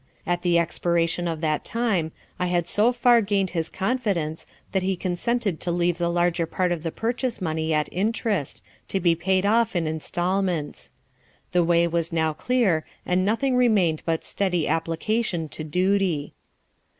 At the expiration of the time I had so far gained his confidence that he consented to leave the larger part of the purchase money at interest, to be paid off in instalments. The way was now clear, and nothing remained but steady application to duty.